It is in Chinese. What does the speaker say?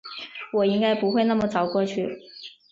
我应该不会那么早过去